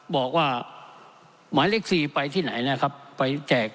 บอกว่าหมายเลข๔ไปที่ไหนนะครับไปแจก